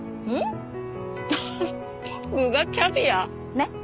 ねっ？